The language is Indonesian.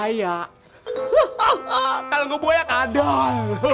hahaha kalau gua buaya kadang